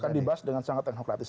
akan dibahas dengan sangat teknokratis